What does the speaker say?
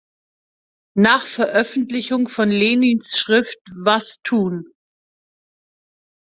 Nach Veröffentlichung von Lenins Schrift "Was tun?